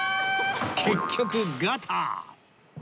結局ガター